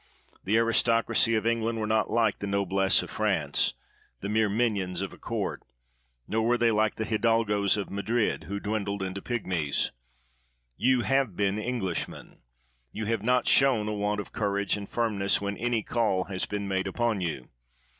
The aris tocracy of England Were not like the noblesse of France, the mere minions of a court ; nor were they like the hidalgos of Madrid, who dwindled into pigmies. You have been Englishmen. You have not shown a want of courage and firmness when any call has been made upon you.